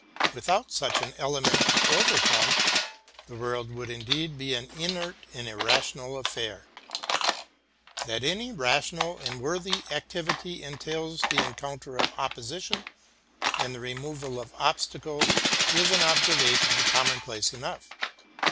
Without such an element to overcome, the world would indeed be an inert and irrational affair. That any rational and worthy activity entails the encounter of oppo sition and the removal of obstacles is an observation com monplace enough.